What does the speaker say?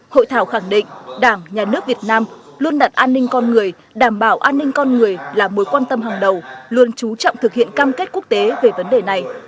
hội thảo khẳng định đảng nhà nước việt nam luôn đặt an ninh con người đảm bảo an ninh con người là mối quan tâm hàng đầu luôn trú trọng thực hiện cam kết quốc tế về vấn đề này